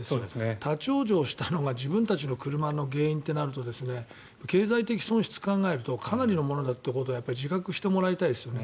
立ち往生したのが自分たちの車が原因となると経済的損失を考えるとかなりのものだっていうことを自覚してもらいたいですよね。